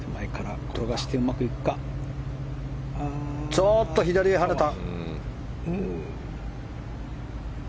ちょっと左にはねた。